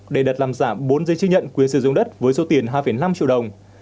để đặt làm giảm bốn giấy chứng nhận quyền sử dụng đất với số tiền hai năm triệu đồng